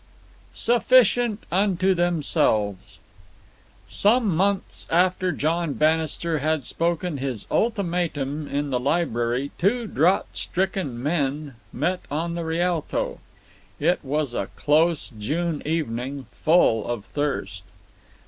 Sufficient Unto Themselves Some months after John Bannister had spoken his ultimatum in the library two drought stricken men met on the Rialto. It was a close June evening, full of thirst.